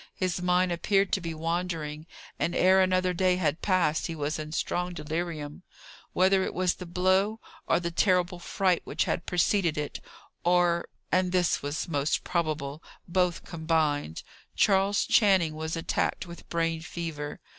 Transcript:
His mind appeared to be wandering, and ere another day had passed he was in strong delirium. Whether it was the blow, or the terrible fright which had preceded it, or and this was most probable both combined, Charles Channing was attacked with brain fever.